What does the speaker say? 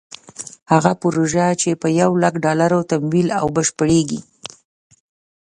هغه پروژه چې په یو لک ډالرو تمویل او بشپړېږي.